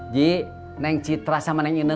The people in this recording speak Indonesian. ji yang citra sama yang ini